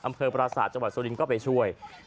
อำเภอปราสาทจังหวัดซูลินก็ไปช่วย